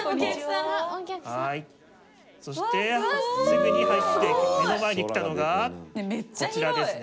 そしてすぐに入って目の前に来たのがこちらですね。